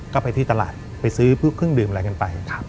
ก็ไปที่ตลาดไปซื้อพวกเครื่องดื่มอะไรกันไป